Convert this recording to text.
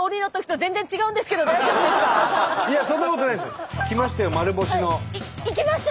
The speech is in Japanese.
いやそんなことないです！